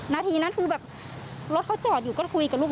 นาทีนั้นคือแบบรถเขาจอดอยู่ก็คุยกับลูก